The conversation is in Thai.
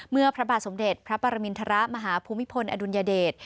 พระบาทสมเด็จพระปรมินทรมาหาภูมิพลอดุลยเดช